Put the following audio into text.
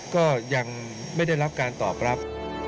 ก็ยังไม่ได้รับการตอบรับ